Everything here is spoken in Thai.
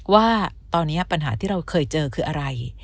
ว่าตอนนี้ปัญหาที่เราเคยเจอคืออะไร